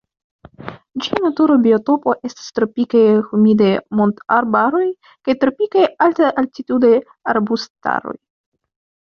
Ĝia natura biotopo estas tropikaj humidaj montarbaroj kaj tropikaj alt-altitudaj arbustaroj.